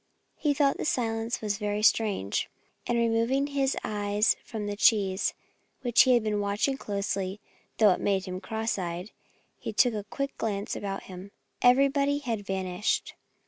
He thought the silence very strange. And removing his eyes from the cheese, which he had been watching closely (though it made him look cross eyed), he took a quick glance about him. Everybody had vanished.